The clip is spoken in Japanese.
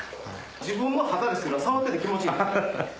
自分の肌ですけど触ってて気持ちいいです。